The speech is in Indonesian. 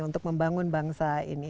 untuk membangun bangsa ini